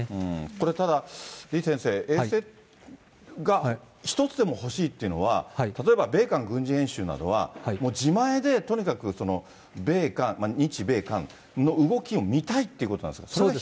これ、ただ李先生、衛星が１つでも欲しいっていうのは、例えば米韓軍事演習などは、自前でとにかく米韓、日米韓の動きを見たいってことなんですか。